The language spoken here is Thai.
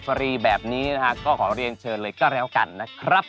ตามแอฟผู้ชมห้องน้ำด้านนอกกันเลยดีกว่าครับ